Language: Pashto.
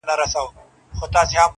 راسه له ساحله د نهنګ خبري نه کوو-